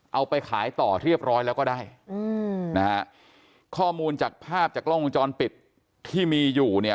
เอาไปขายต่อเรียบร้อยแล้วก็ได้อืมนะฮะข้อมูลจากภาพจากกล้องวงจรปิดที่มีอยู่เนี่ย